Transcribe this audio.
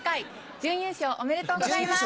準優勝おめでとうございます。